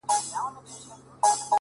دي روح کي اغښل سوی دومره!